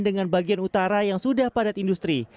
dengan bagian utara yang sudah padat industri